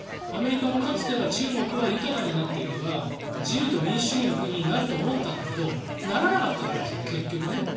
アメリカもかつては中国は豊かになっていけば自由と民主主義の国になると思ったんだけどならなかったわけですよ結局ね。